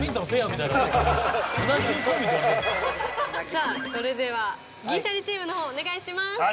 さあそれでは銀シャリチームのほうお願いします